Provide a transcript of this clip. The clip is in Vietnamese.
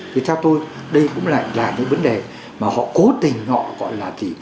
thì theo tôi đây cũng lại là những vấn đề mà họ cố tình họ gọi là gì